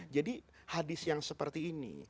jadi hadis yang seperti ini